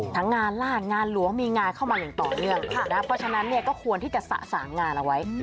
งานล่างงานหลวงมีงานเข้ามาอย่างต่อเนื่องเพราะฉะนั้นเนี่ยก็ควรที่จะสะสางงานเอาไว้